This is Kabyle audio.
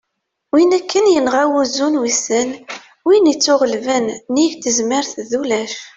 win akken yenɣa "wuzzu n wissen", win ittuɣellben : nnig tezmert d ulac